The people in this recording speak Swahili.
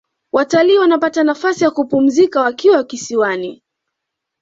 watalii wanapata nafasi ya kupumzika wakiwa kisiwani